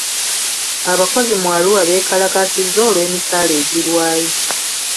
Abakozi mu Arua beekalakaasizza olw'emisaala egirwayo.